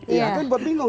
ya kan dibuat bingung